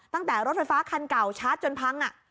ตั้งแต่รถไฟฟ้าคันเก่าชาร์จจนพัง